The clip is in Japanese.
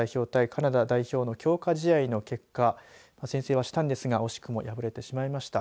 カナダ代表の強化試合の結果先制はしたんですが惜しくも敗れてしまいました。